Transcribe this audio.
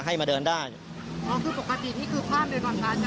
ให้มาเดินได้อ๋อคือปกติที่คือพราบเดินวันพระ